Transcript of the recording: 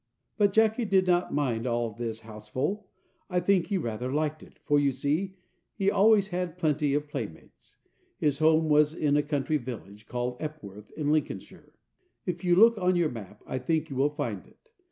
But Jacky did not mind all this houseful, I think he rather liked it, for you see he always had plenty of playmates. His home was in a country village called Epworth, in Lincolnshire. If you look on your map I think you will find it.